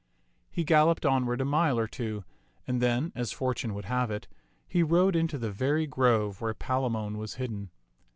He galloped onward a mile or two, and then, as Fortune would have it, he rode into the very grove where Palamon was hidden.